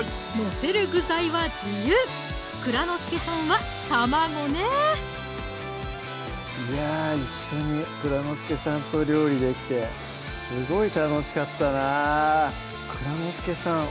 具材は自由蔵之介さんは卵ねいやぁ一緒に蔵之介さんと料理できてすごい楽しかったな蔵之介さん